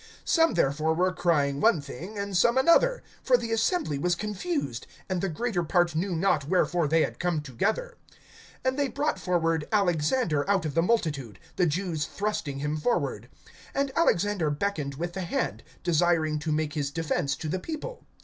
(32)Some therefore were crying one thing, and some another; for the assembly was confused, and the greater part knew not wherefore they had come together. (33)And they brought forward Alexander out of the multitude, the Jews thrusting him forward. And Alexander beckoned with the hand, desiring to make his defense to the people.